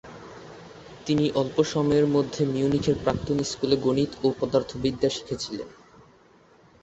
তিনি অল্প সময়ের মধ্যে মিউনিখের প্রাক্তন স্কুলে গণিত ও পদার্থবিদ্যা শিখিয়েছিলেন।